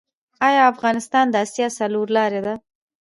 آیا افغانستان د اسیا څلور لارې ده؟